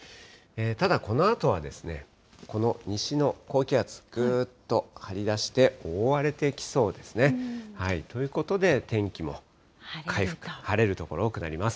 ただ、このあとはこの西の高気圧、ぐっと張り出して大荒れてきそうですね。ということで、天気も回復、晴れる所が多くなります。